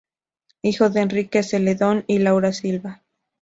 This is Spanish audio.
Hijo de Enrique Celedón y Laura Silva.